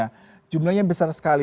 nah jumlahnya besar sekali